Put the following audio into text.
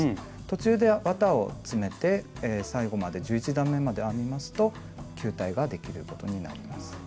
途中で綿を詰めて最後まで１１段めまで編みますと球体ができることになります。